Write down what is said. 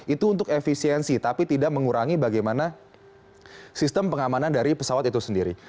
itu untuk efisiensi tapi tidak mengurangi bagaimana sistem pengamanan dari pesawat itu sendiri